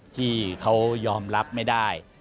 ที่เขายอมรับไม่ได้